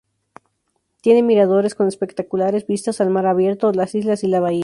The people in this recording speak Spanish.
Tiene miradores con espectaculares vistas al mar abierto, las islas y la bahía.